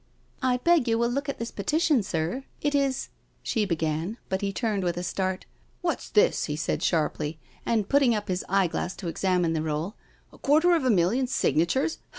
" I beg you will look at this Petition, sir, it is •.." she began, but he turned with a start: " What's this?" he said sharply, and putting up his eye glass to examine the roll. " A quarter of a million signatures?